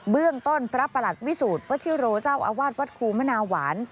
เรื่องต้นพระประหลัดวิสูจน์วัชิโรเจ้าอาวาสวัดครูมนาหวาน